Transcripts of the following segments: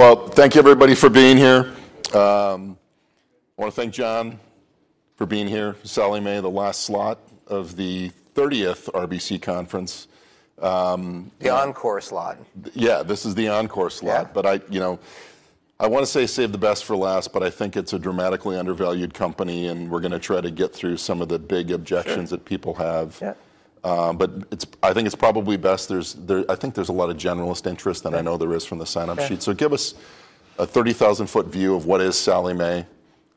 Well, thank you everybody for being here. I wanna thank Jon for being here. Sallie Mae, the last slot of the 30th RBC conference. The encore slot. Yeah, this is the encore slot. Yeah. I, you know, I wanna say saved the best for last, but I think it's a dramatically undervalued company, and we're gonna try to get through some of the big objections- Sure ...that people have. Yeah. I think it's probably best. There's a lot of generalist interest. Yeah I know there is from the sign-up sheet. Yeah. Give us a 30,000-foot view of what is Sallie Mae,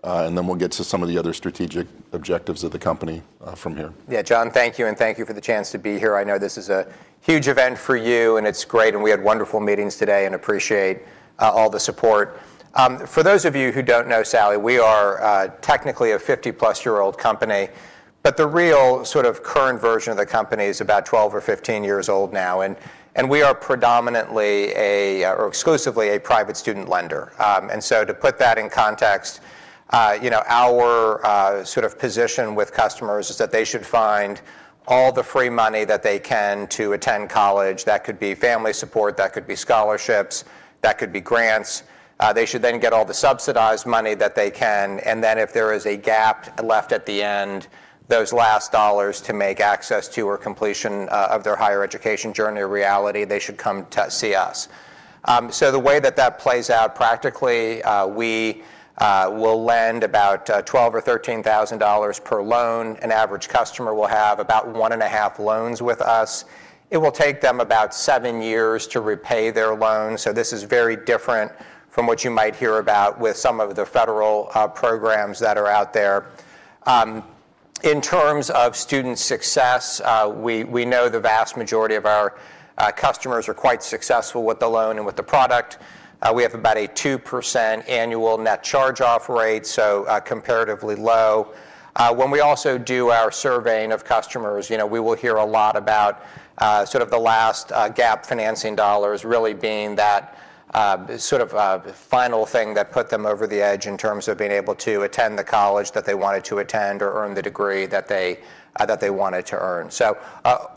and then we'll get to some of the other strategic objectives of the company from here. Yeah. Jon, thank you, and thank you for the chance to be here. I know this is a huge event for you, and it's great, and we had wonderful meetings today, and appreciate all the support. For those of you who don't know Sallie, we are technically a 50+ year-old company, but the real sort of current version of the company is about 12 or 15 years old now, and we are predominantly a, or exclusively a private student lender. To put that in context, you know, our sort of position with customers is that they should find all the free money that they can to attend college. That could be family support, that could be scholarships, that could be grants. They should then get all the subsidized money that they can, and then if there is a gap left at the end, those last dollars to make access to or completion of their higher education journey a reality, they should come to see us. The way that plays out practically, we will lend about $12,000-$13,000 per loan. An average customer will have about 1.5 loans with us. It will take them about seven years to repay their loans, so this is very different from what you might hear about with some of the federal programs that are out there. In terms of student success, we know the vast majority of our customers are quite successful with the loan and with the product. We have about a 2% annual net charge-off rate, so comparatively low. When we also do our surveying of customers, you know, we will hear a lot about sort of the last gap financing dollars really being that sort of final thing that put them over the edge in terms of being able to attend the college that they wanted to attend or earn the degree that they wanted to earn.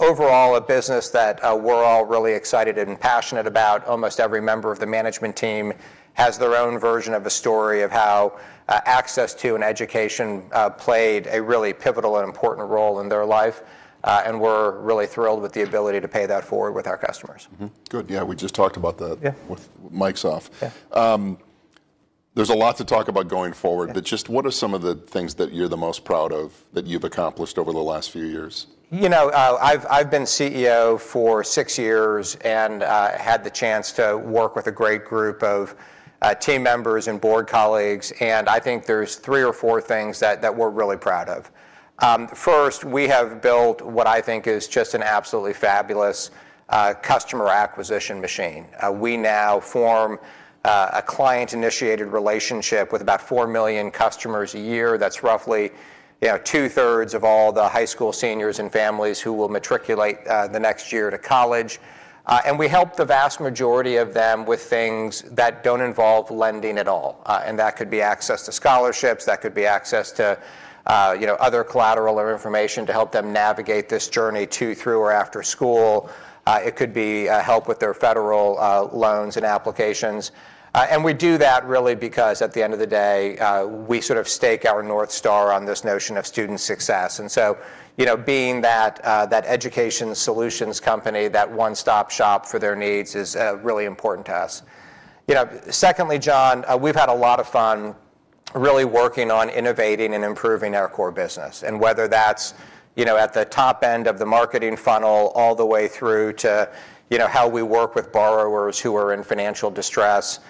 Overall, a business that we're all really excited and passionate about. Almost every member of the management team has their own version of the story of how access to an education played a really pivotal and important role in their life, and we're really thrilled with the ability to pay that forward with our customers. Good. Yeah, we just talked about that- Yeah ...with mics off. Yeah. There's a lot to talk about going forward. Yeah. Just what are some of the things that you're the most proud of, that you've accomplished over the last few years? You know, I've been CEO for six years and had the chance to work with a great group of team members and board colleagues, and I think there's three or four things that we're really proud of. First, we have built what I think is just an absolutely fabulous customer acquisition machine. We now form a client-initiated relationship with about 4 million customers a year. That's roughly, you know, 2/3s of all the high school seniors and families who will matriculate the next year to college. And we help the vast majority of them with things that don't involve lending at all. And that could be access to scholarships, that could be access to, you know, other collateral or information to help them navigate this journey to, through, or after school. It could be help with their federal loans and applications. We do that really because at the end of the day, we sort of stake our North Star on this notion of student success. You know, being that education solutions company, that one-stop shop for their needs is really important to us. You know, secondly, Jon, we've had a lot of fun really working on innovating and improving our core business. Whether that's, you know, at the top end of the marketing funnel all the way through to, you know, how we work with borrowers who are in financial distress,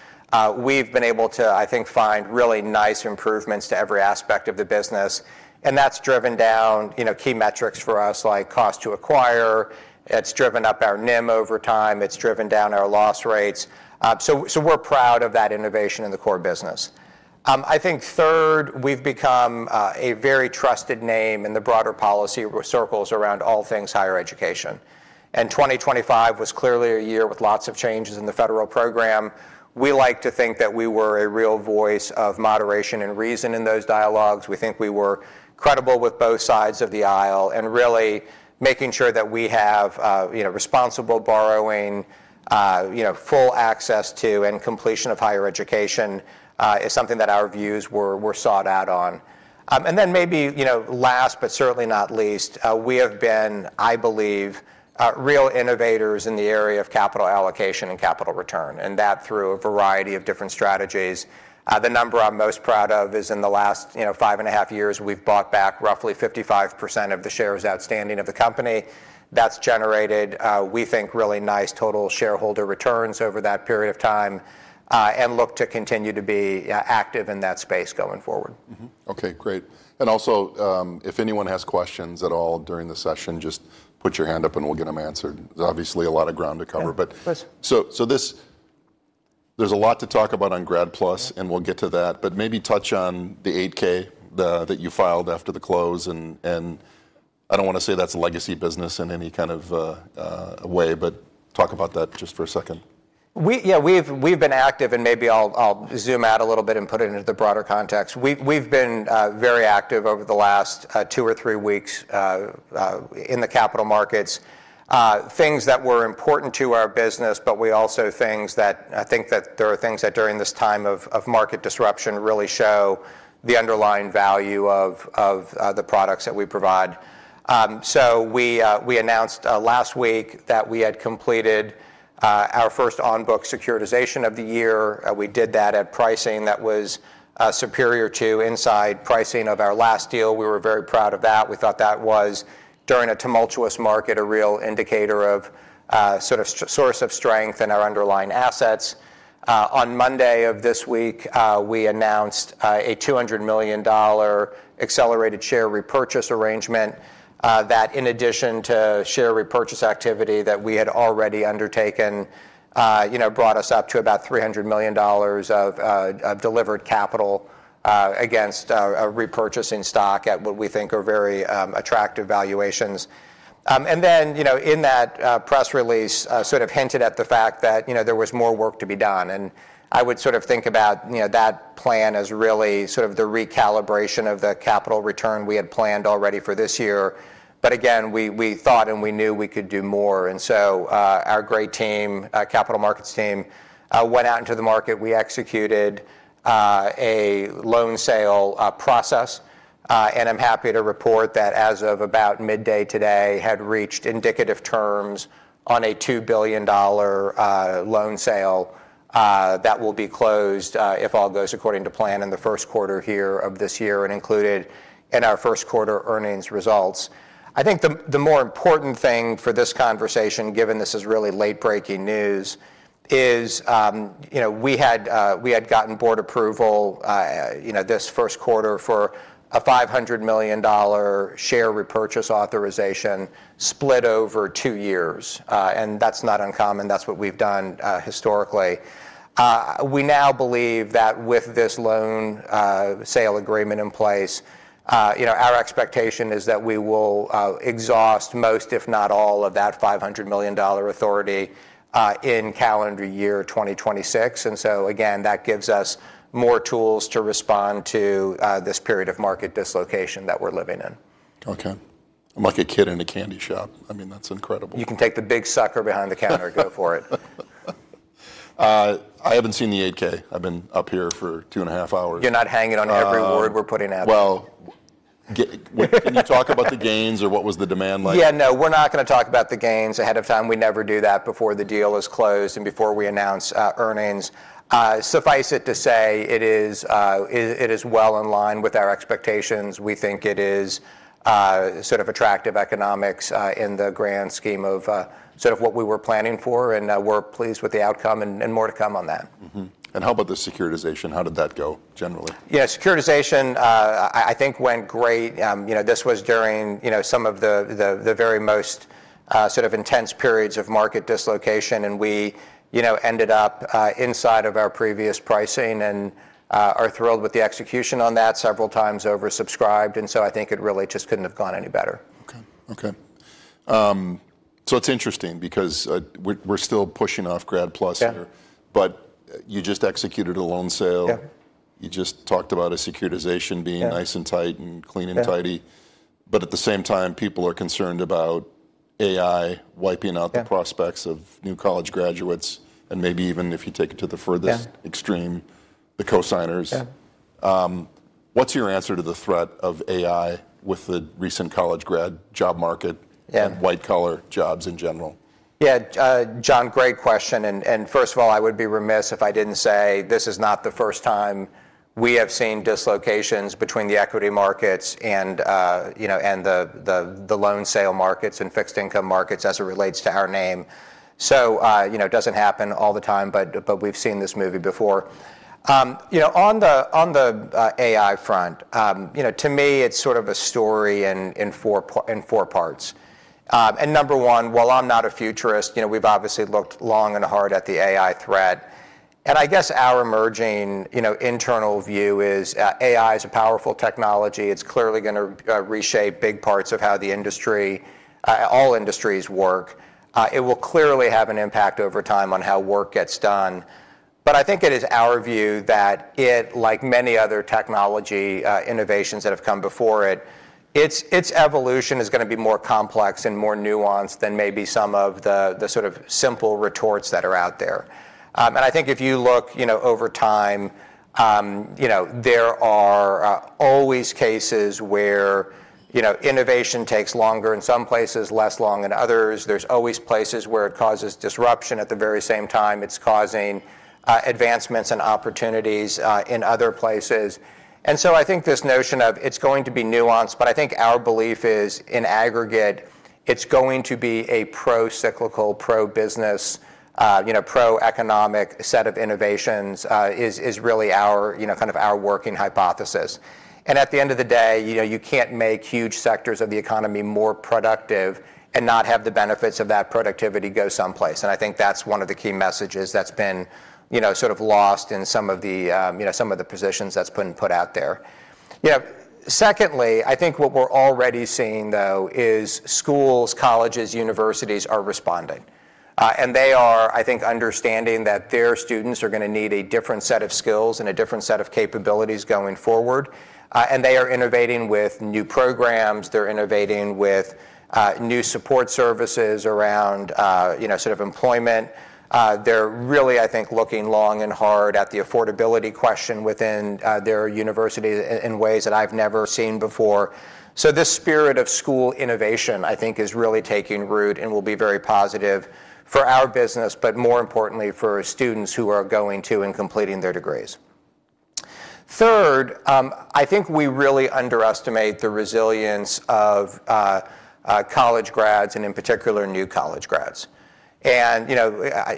we've been able to, I think, find really nice improvements to every aspect of the business, and that's driven down, you know, key metrics for us, like cost to acquire. It's driven up our NIM over time. It's driven down our loss rates. So we're proud of that innovation in the core business. I think third, we've become a very trusted name in the broader policy circles around all things higher education. 2025 was clearly a year with lots of changes in the federal program. We like to think that we were a real voice of moderation and reason in those dialogues. We think we were credible with both sides of the aisle, and really making sure that we have, you know, responsible borrowing, you know, full access to and completion of higher education, is something that our views were sought out on. Maybe, you know, last but certainly not least, we have been, I believe, real innovators in the area of capital allocation and capital return, and that through a variety of different strategies. The number I'm most proud of is in the last, you know, five and a half years, we've bought back roughly 55% of the shares outstanding of the company. That's generated, we think, really nice total shareholder returns over that period of time, and look to continue to be active in that space going forward. Okay, great. If anyone has questions at all during the session, just put your hand up and we'll get them answered. There's obviously a lot of ground to cover. Yeah, please. There's a lot to talk about on Grad PLUS, and we'll get to that, but maybe touch on the Form 8-K that you filed after the close, and I don't wanna say that's legacy business in any kind of way, but talk about that just for a second. Yeah, we've been active, and maybe I'll zoom out a little bit and put it into the broader context. We've been very active over the last two or three weeks in the capital markets. Things that were important to our business, but also things that I think during this time of market disruption really show the underlying value of the products that we provide. We announced last week that we had completed our first on-book securitization of the year. We did that at pricing that was superior to inside pricing of our last deal. We were very proud of that. We thought that was, during a tumultuous market, a real indicator of sort of source of strength in our underlying assets. On Monday of this week, we announced a $200 million accelerated share repurchase arrangement that in addition to share repurchase activity that we had already undertaken, you know, brought us up to about $300 million of delivered capital against our repurchasing stock at what we think are very attractive valuations. You know, in that press release, sort of hinted at the fact that, you know, there was more work to be done. I would sort of think about, you know, that plan as really sort of the recalibration of the capital return we had planned already for this year. Again, we thought and we knew we could do more. Our great team, our capital markets team, went out into the market. We executed a loan sale process. I'm happy to report that as of about midday today had reached indicative terms on a $2 billion loan sale that will be closed, if all goes according to plan, in the first quarter here of this year and included in our first quarter earnings results. I think the more important thing for this conversation, given this is really late-breaking news, is, you know, we had gotten board approval, you know, this first quarter for a $500 million share repurchase authorization split over two years. That's not uncommon. That's what we've done historically. We now believe that with this loan sale agreement in place, you know, our expectation is that we will exhaust most, if not all, of that $500 million authority in calendar year 2026. Again, that gives us more tools to respond to this period of market dislocation that we're living in. Okay. I'm like a kid in a candy shop. I mean, that's incredible. You can take the big sucker behind the counter and go for it. I haven't seen the Form 8-K. I've been up here for two and a half hours. You're not hanging on every word we're putting out there. Can you talk about the gains or what was the demand like? Yeah, no, we're not gonna talk about the gains ahead of time. We never do that before the deal is closed and before we announce earnings. Suffice it to say, it is well in line with our expectations. We think it is sort of attractive economics in the grand scheme of sort of what we were planning for, and we're pleased with the outcome and more to come on that. How about the securitization? How did that go generally? Yeah, securitization, I think went great. You know, this was during, you know, some of the very most sort of intense periods of market dislocation and we, you know, ended up inside of our previous pricing and are thrilled with the execution on that. Several times oversubscribed, and so I think it really just couldn't have gone any better. It's interesting because we're still pushing off Grad PLUS here. Yeah. You just executed a loan sale. Yeah. You just talked about a securitization being Yeah Nice and tight and clean and tidy. Yeah. At the same time, people are concerned about AI wiping out- Yeah the prospects of new college graduates and maybe even if you take it to the furthest- Yeah ...extreme, the cosigners. Yeah. What's your answer to the threat of AI with the recent college grad job market? Yeah White-collar jobs in general? Yeah. Jon, great question. First of all, I would be remiss if I didn't say this is not the first time we have seen dislocations between the equity markets and, you know, and the loan sale markets and fixed income markets as it relates to our name. You know, it doesn't happen all the time, but we've seen this movie before. You know, on the AI front, you know, to me, it's sort of a story in four parts. Number one, while I'm not a futurist, you know, we've obviously looked long and hard at the AI threat. I guess our emerging, you know, internal view is, AI is a powerful technology. It's clearly gonna reshape big parts of how the industry, all industries work. It will clearly have an impact over time on how work gets done. I think it is our view that it, like many other technology innovations that have come before it, its evolution is gonna be more complex and more nuanced than maybe some of the sort of simple retorts that are out there. I think if you look you know over time you know there are always cases where you know innovation takes longer in some places, less long in others. There's always places where it causes disruption at the very same time it's causing advancements and opportunities in other places. I think this notion of it's going to be nuanced, but I think our belief is, in aggregate, it's going to be a pro-cyclical, pro-business, you know, pro-economic set of innovations is really our, you know, kind of our working hypothesis. At the end of the day, you know, you can't make huge sectors of the economy more productive and not have the benefits of that productivity go someplace. I think that's one of the key messages that's been, you know, sort of lost in some of the, you know, some of the positions that's been put out there. Secondly, I think what we're already seeing though is schools, colleges, universities are responding. They are, I think, understanding that their students are gonna need a different set of skills and a different set of capabilities going forward, and they are innovating with new programs, they're innovating with new support services around, you know, sort of employment. They're really, I think, looking long and hard at the affordability question within their university in ways that I've never seen before. This spirit of school innovation, I think, is really taking root and will be very positive for our business, but more importantly for students who are going to and completing their degrees. Third, I think we really underestimate the resilience of college grads and in particular new college grads. You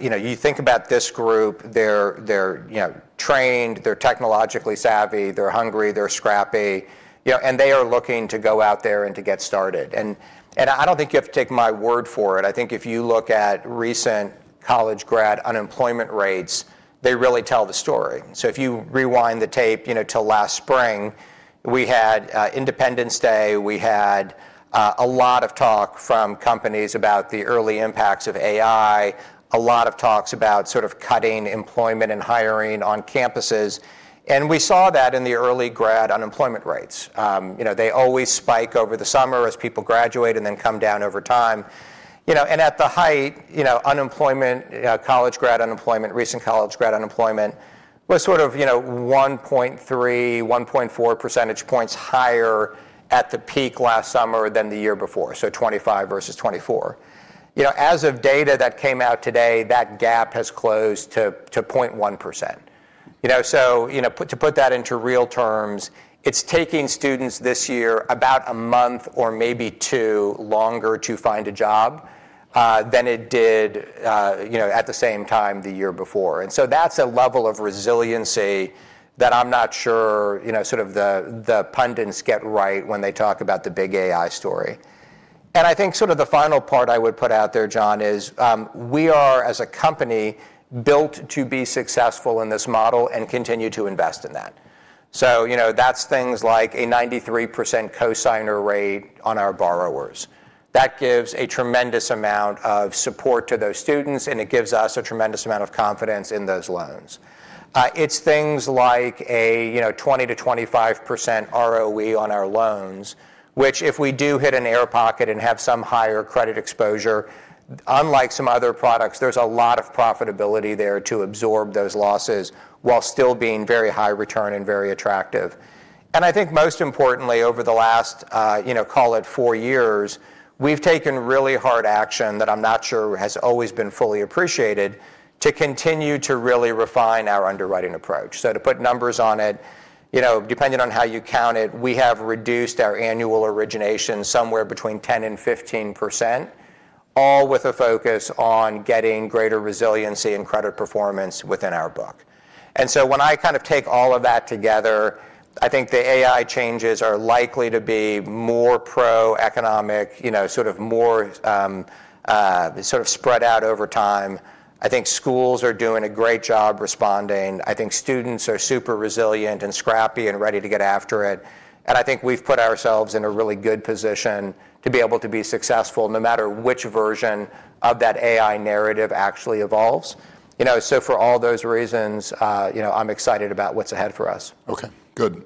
know, you think about this group, they're you know, trained, they're technologically savvy, they're hungry, they're scrappy, you know, and they are looking to go out there and to get started. I don't think you have to take my word for it. I think if you look at recent college grad unemployment rates, they really tell the story. If you rewind the tape, you know, to last spring, we had Independence Day, we had a lot of talk from companies about the early impacts of AI, a lot of talks about sort of cutting employment and hiring on campuses, and we saw that in the early grad unemployment rates. You know, they always spike over the summer as people graduate and then come down over time. You know, at the height, you know, unemployment, college grad unemployment, recent college grad unemployment was sort of, you know, 1.3, 1.4 percentage points higher at the peak last summer than the year before, so 2025 versus 2024. You know, as of data that came out today, that gap has closed to 0.1%. You know, so, to put that into real terms, it's taking students this year about a month or maybe two longer to find a job than it did, you know, at the same time the year before. That's a level of resiliency that I'm not sure, you know, sort of the pundits get right when they talk about the big AI story. I think sort of the final part I would put out there, Jon, is, we are as a company built to be successful in this model and continue to invest in that. You know, that's things like a 93% cosigner rate on our borrowers. That gives a tremendous amount of support to those students, and it gives us a tremendous amount of confidence in those loans. It's things like a, you know, 20%-25% ROE on our loans, which if we do hit an air pocket and have some higher credit exposure, unlike some other products, there's a lot of profitability there to absorb those losses while still being very high return and very attractive. I think most importantly, over the last, you know, call it four years, we've taken really hard action that I'm not sure has always been fully appreciated to continue to really refine our underwriting approach. To put numbers on it, you know, depending on how you count it, we have reduced our annual origination somewhere between 10% and 15%, all with a focus on getting greater resiliency and credit performance within our book. When I kind of take all of that together, I think the AI changes are likely to be more pro-economic, you know, sort of more, sort of spread out over time. I think schools are doing a great job responding. I think students are super resilient and scrappy and ready to get after it. I think we've put ourselves in a really good position to be able to be successful no matter which version of that AI narrative actually evolves. You know, for all those reasons, you know, I'm excited about what's ahead for us. Okay. Good.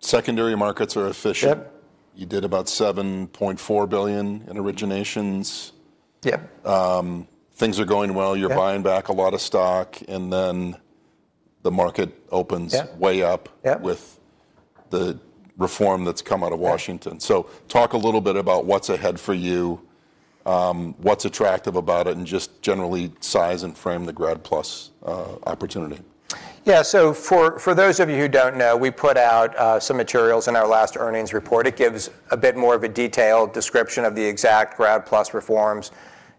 Secondary markets are efficient. Yep. You did about $7.4 billion in originations. Yeah. Things are going well. Yeah. You're buying back a lot of stock, and then the market opens- Yeah... way up- Yeah ...with the reform that's come out of Washington. Yeah. Talk a little bit about what's ahead for you, what's attractive about it, and just generally size and frame the Grad PLUS opportunity. Yeah. For those of you who don't know, we put out some materials in our last earnings report. It gives a bit more of a detailed description of the exact Grad PLUS reforms.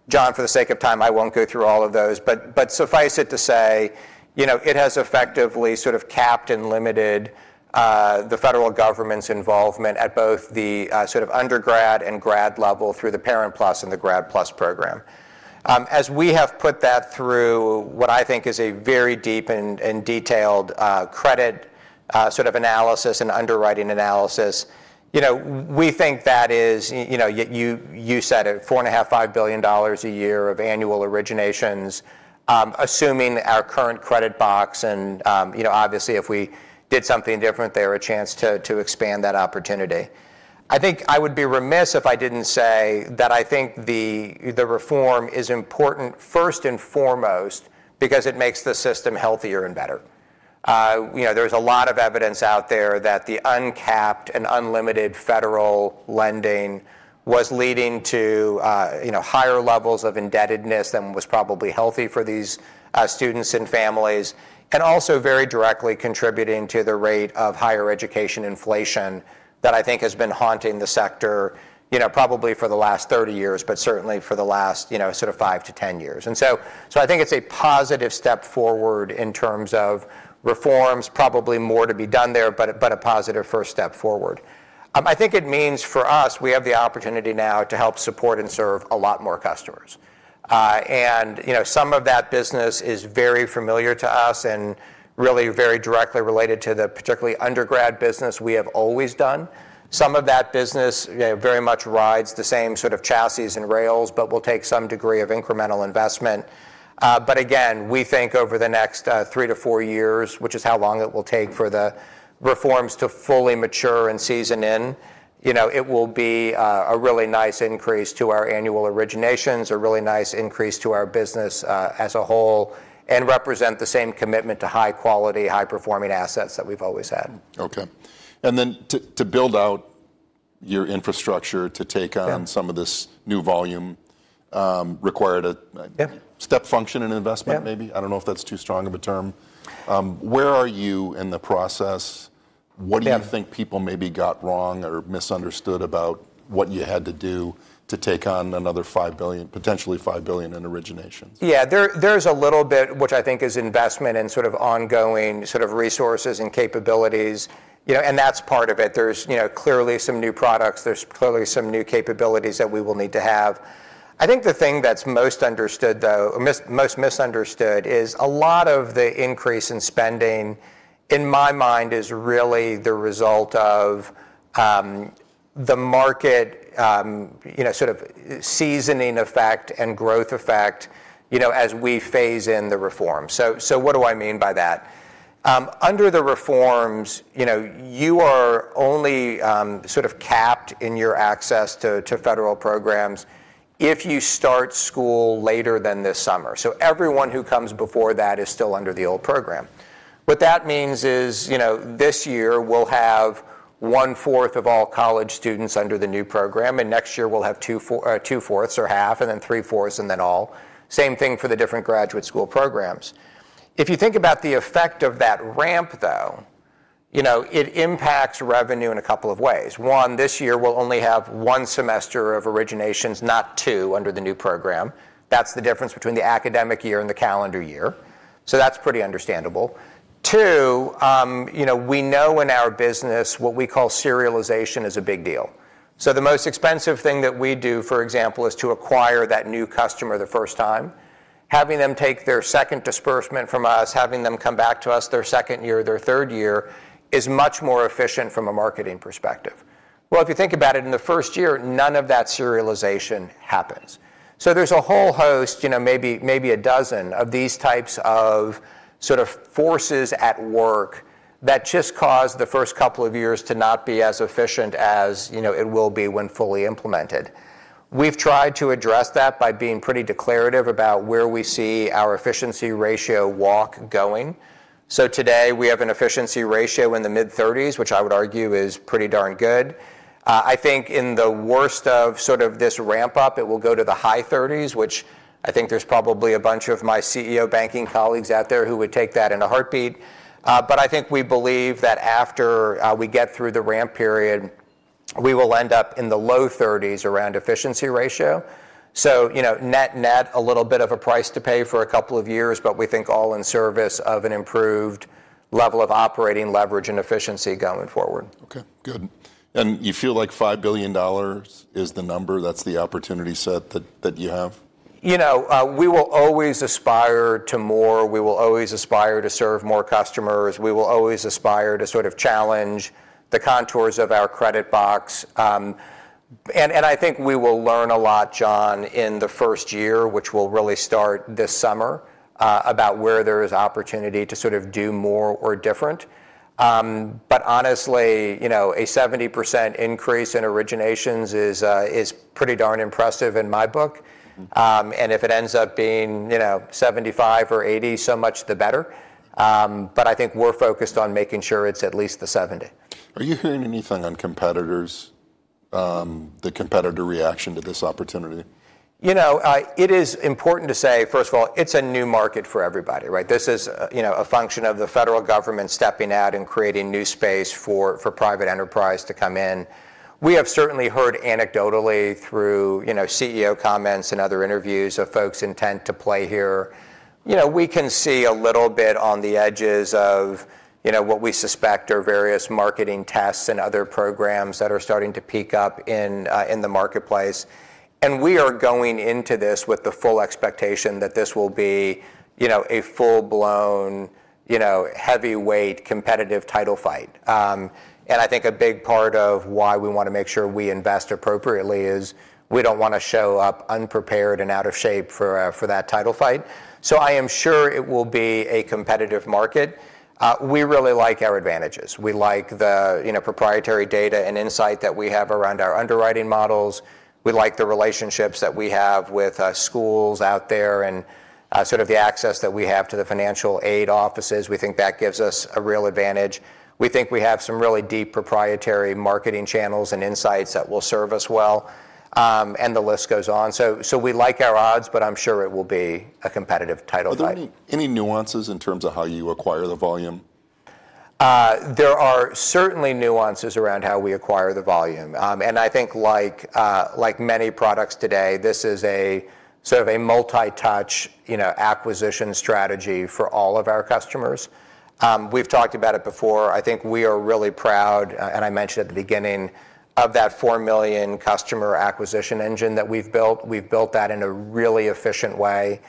Jon, for the sake of time, I won't go through all of those, but suffice it to say, you know, it has effectively sort of capped and limited the federal government's involvement at both the sort of undergrad and grad level through the Parent PLUS and the Grad PLUS program. As we have put that through what I think is a very deep and detailed credit sort of analysis and underwriting analysis, you know, we think that is, you know, you said it, $4.5 billion-$5 billion a year of annual originations, assuming our current credit box and, you know, obviously, if we did something different there, a chance to expand that opportunity. I think I would be remiss if I didn't say that I think the reform is important first and foremost because it makes the system healthier and better. You know, there's a lot of evidence out there that the uncapped and unlimited federal lending was leading to, you know, higher levels of indebtedness than was probably healthy for these, students and families, and also very directly contributing to the rate of higher education inflation that I think has been haunting the sector, you know, probably for the last 30 years, but certainly for the last, you know, sort of five to 10 years. I think it's a positive step forward in terms of reforms. Probably more to be done there, but a positive first step forward. I think it means for us, we have the opportunity now to help support and serve a lot more customers. You know, some of that business is very familiar to us and really very directly related to the particular undergrad business we have always done. Some of that business, you know, very much rides the same sort of chassis and rails, but will take some degree of incremental investment. But again, we think over the next three to four years, which is how long it will take for the reforms to fully mature and season in, you know, it will be a really nice increase to our annual originations, a really nice increase to our business as a whole, and represent the same commitment to high quality, high performing assets that we've always had. Okay. To build out your infrastructure to take on- Yeah ....some of this new volume, required a- Yeah ...step function in investment, maybe? Yeah. I don't know if that's too strong of a term. Where are you in the process? Yeah. What do you think people maybe got wrong or misunderstood about what you had to do to take on another $5 billion, potentially $5 billion in originations? Yeah. There's a little bit, which I think is investment in sort of ongoing sort of resources and capabilities, you know, and that's part of it. There's, you know, clearly some new products. There's clearly some new capabilities that we will need to have. I think the thing that's most understood, though, most misunderstood, is a lot of the increase in spending, in my mind, is really the result of the market, you know, sort of seasoning effect and growth effect, you know, as we phase in the reform. What do I mean by that? Under the reforms, you know, you are only sort of capped in your access to federal programs if you start school later than this summer. Everyone who comes before that is still under the old program. What that means is, you know, this year we'll have one-fourth of all college students under the new program, and next year we'll have two-fourths or half, and then three-fourths, and then all. Same thing for the different graduate school programs. If you think about the effect of that ramp, though, you know, it impacts revenue in a couple of ways. One, this year we'll only have one semester of originations, not two, under the new program. That's the difference between the academic year and the calendar year. That's pretty understandable. Two, you know, we know in our business, what we call securitization is a big deal. The most expensive thing that we do, for example, is to acquire that new customer the first time. Having them take their second disbursement from us, having them come back to us their second year, their third year, is much more efficient from a marketing perspective. Well, if you think about it, in the first year, none of that securitization happens. There's a whole host, you know, maybe a dozen of these types of sort of forces at work that just cause the first couple of years to not be as efficient as, you know, it will be when fully implemented. We've tried to address that by being pretty declarative about where we see our efficiency ratio walk going. Today we have an efficiency ratio in the mid-thirties, which I would argue is pretty darn good. I think in the worst of sort of this ramp-up, it will go to the high 30s%, which I think there's probably a bunch of my CEO banking colleagues out there who would take that in a heartbeat. But I think we believe that after we get through the ramp period, we will end up in the low 30s% around efficiency ratio. You know, net-net, a little bit of a price to pay for a couple of years, but we think all in service of an improved level of operating leverage and efficiency going forward. Okay. Good. You feel like $5 billion is the number, that's the opportunity set that you have? You know, we will always aspire to more, we will always aspire to serve more customers, we will always aspire to sort of challenge the contours of our credit box. I think we will learn a lot, Jon, in the first year, which will really start this summer, about where there is opportunity to sort of do more or different. Honestly, you know, a 70% increase in originations is pretty darn impressive in my book. If it ends up being, you know, 75% or 80%, so much the better. I think we're focused on making sure it's at least the 70%. Are you hearing anything on competitors, the competitor reaction to this opportunity? You know, it is important to say, first of all, it's a new market for everybody, right? This is, you know, a function of the federal government stepping out and creating new space for private enterprise to come in. We have certainly heard anecdotally through, you know, CEO comments and other interviews of folks intent to play here. You know, we can see a little bit on the edges of, you know, what we suspect are various marketing tests and other programs that are starting to pick up in the marketplace. We are going into this with the full expectation that this will be, you know, a full-blown, you know, heavyweight competitive title fight. I think a big part of why we wanna make sure we invest appropriately is we don't wanna show up unprepared and out of shape for that title fight. I am sure it will be a competitive market. We really like our advantages. We like the, you know, proprietary data and insight that we have around our underwriting models. We like the relationships that we have with schools out there and sort of the access that we have to the financial aid offices. We think that gives us a real advantage. We think we have some really deep proprietary marketing channels and insights that will serve us well, and the list goes on. So we like our odds, but I'm sure it will be a competitive title fight. Are there any nuances in terms of how you acquire the volume? There are certainly nuances around how we acquire the volume. I think like many products today, this is a sort of a multi-touch, you know, acquisition strategy for all of our customers. We've talked about it before. I think we are really proud, and I mentioned at the beginning of that 4 million customer acquisition engine that we've built that in a really efficient way,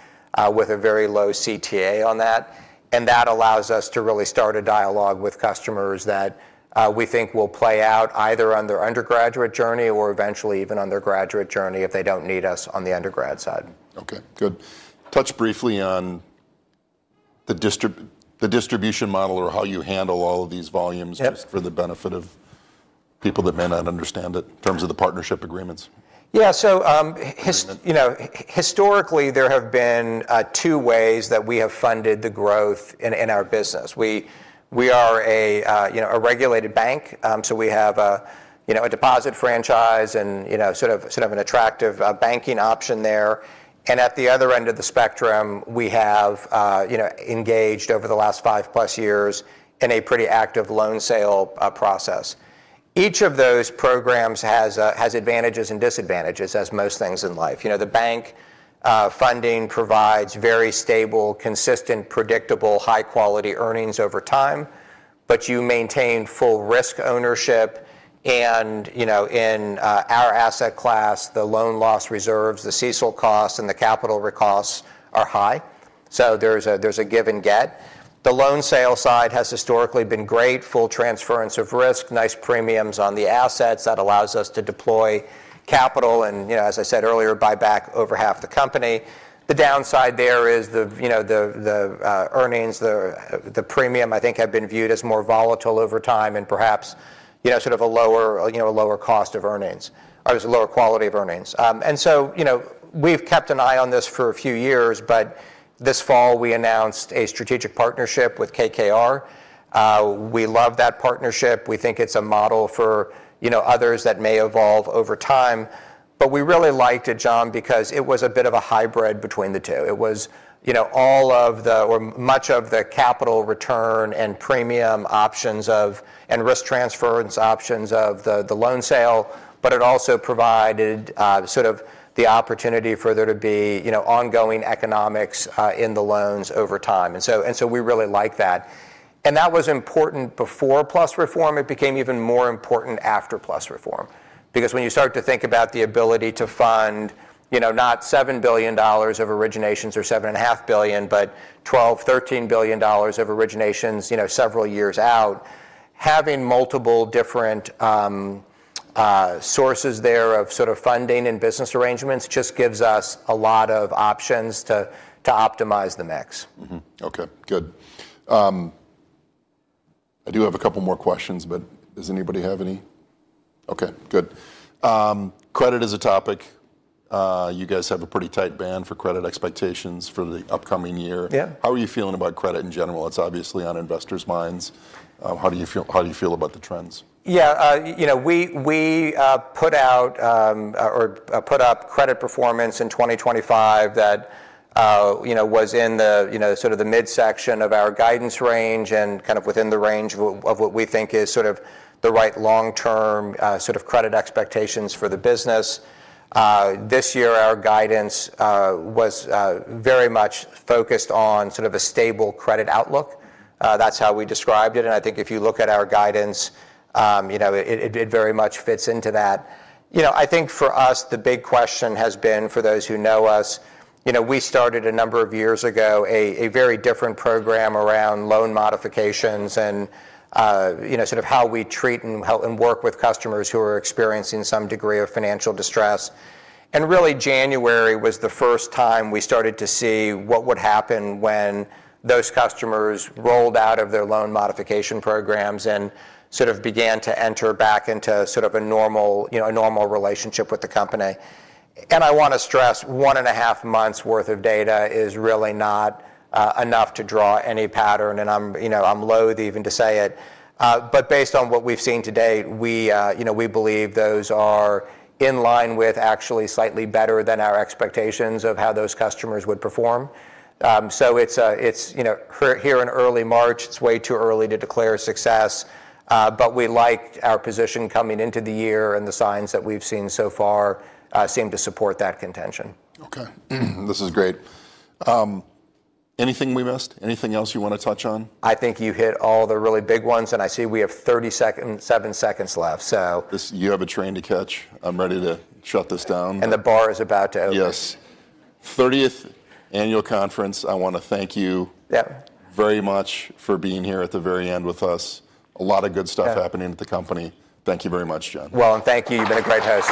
with a very low CTA on that. That allows us to really start a dialogue with customers that we think will play out either on their undergraduate journey or eventually even on their graduate journey if they don't need us on the undergrad side. Okay. Good. Touch briefly on the distribution model or how you handle all of these volumes- Yep ..just for the benefit of people that may not understand it in terms of the partnership agreements. Yeah. You know, historically there have been two ways that we have funded the growth in our business. We are, you know, a regulated bank. We have a, you know, a deposit franchise and, you know, sort of an attractive banking option there. At the other end of the spectrum, we have, you know, engaged over the last 5+ years in a pretty active loan sale process. Each of those programs has advantages and disadvantages as most things in life. You know, the bank funding provides very stable, consistent, predictable, high quality earnings over time, but you maintain full risk ownership. You know, in our asset class, the loan loss reserves, the CECL costs, and the capital costs are high. There's a give and get. The loan sale side has historically been great. Full transference of risk, nice premiums on the assets. That allows us to deploy capital and, you know, as I said earlier, buy back over half the company. The downside there is the earnings, the premium I think have been viewed as more volatile over time and perhaps, you know, sort of a lower, a lower cost of earnings, or there's a lower quality of earnings. We've kept an eye on this for a few years, but this fall we announced a strategic partnership with KKR. We love that partnership. We think it's a model for, you know, others that may evolve over time. We really liked it, Jon, because it was a bit of a hybrid between the two. It was, you know, all of the, or much of the capital return and premium options of, and risk transference options of the loan sale, but it also provided sort of the opportunity for there to be, you know, ongoing economics in the loans over time. We really like that. That was important before PLUS reform. It became even more important after PLUS reform, because when you start to think about the ability to fund, you know, not $7 billion of originations or $7.5 billion, but $12 billion-$13 billion of originations, you know, several years out, having multiple different sources there of sort of funding and business arrangements just gives us a lot of options to optimize the mix. Okay. Good. I do have a couple more questions, but does anybody have any? Okay, good. Credit is a topic. You guys have a pretty tight band for credit expectations for the upcoming year. Yeah. How are you feeling about credit in general? It's obviously on investors' minds. How do you feel about the trends? Yeah. You know, we put out credit performance in 2025 that, you know, was in the, you know, sort of the midsection of our guidance range and kind of within the range of what we think is sort of the right long-term sort of credit expectations for the business. This year our guidance was very much focused on sort of a stable credit outlook. That's how we described it, and I think if you look at our guidance, you know, it very much fits into that. You know, I think for us the big question has been, for those who know us, you know, we started a number of years ago a very different program around loan modifications and, you know, sort of how we treat and help and work with customers who are experiencing some degree of financial distress. Really, January was the first time we started to see what would happen when those customers rolled out of their loan modification programs and sort of began to enter back into sort of a normal, you know, a normal relationship with the company. I wanna stress one and half months' worth of data is really not enough to draw any pattern and I'm, you know, I'm loath even to say it. Based on what we've seen to date, we, you know, we believe those are in line with actually slightly better than our expectations of how those customers would perform. It's, you know, here in early March. It's way too early to declare success. But we liked our position coming into the year, and the signs that we've seen so far seem to support that contention. Okay. This is great. Anything we missed? Anything else you wanna touch on? I think you hit all the really big ones, and I see we have 7-seconds left, so. You have a train to catch. I'm ready to shut this down. The bar is about to open. Yes. 30th Annual Conference. I wanna thank you. Yep Very much for being here at the very end with us. A lot of good stuff- Yeah ...happening with the company. Thank you very much, Jon. Well, thank you. You've been a great host.